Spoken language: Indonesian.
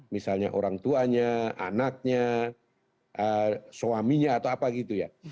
misalnya orang tuanya anaknya suaminya atau apa gitu ya